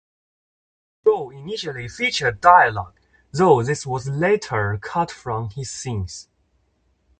The role initially featured dialogue, though this was later cut from his scenes.